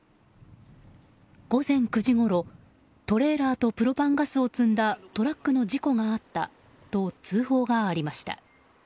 午前９時ごろ、トレーラーとプロパンガスを積んだトラックの事故があったと通報がありました。